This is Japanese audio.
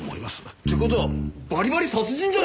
って事はバリバリ殺人じゃないですか！